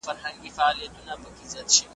که نن نه وي سبا به د زمان کندي ته لوږي .